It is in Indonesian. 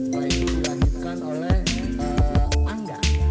lalu dilanjutkan oleh angga